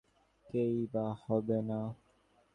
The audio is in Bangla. কে-ই বা হবে না?